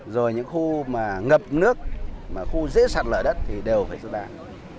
rồi những khu ngập nước khu dễ sạt lở đất thì đều phải sơ tán